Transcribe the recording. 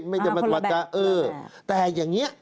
ไม่จะมาตรวจการเออแต่อย่างนี้